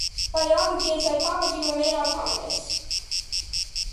Biology and psychology remain autonomous.